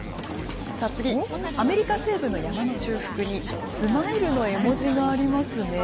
さあ次、アメリカ西部の山の中腹に、スマイルの絵文字がありますね。